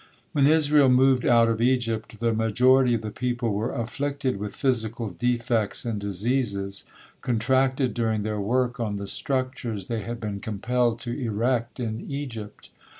When Israel moved out of Egypt, the majority of the people were afflicted with physical defects and diseases, contracted during their work on the structures they had been compelled to erect in Egypt.